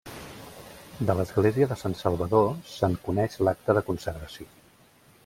De l'església de Sant Salvador, se'n coneix l'acta de consagració.